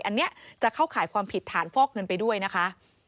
อันนี้จะเข้าข่ายความผิดฐานฟอกเงินไปด้วยนะคะ